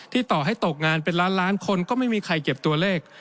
ต่อให้ตกงานเป็นล้านล้านคนก็ไม่มีใครเก็บตัวเลข